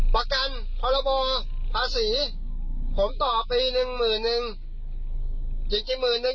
ประกันภาระบอภาษีผมต่อปีหนึ่งหมื่นนึงจริงหมื่นยิ่ง